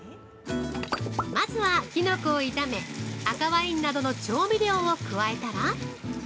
まずはきのこを炒め、赤ワインなどの調味料を加えたら。